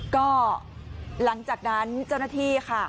ก็หลังจากนั้นเจ้าหน้าที่ค่ะ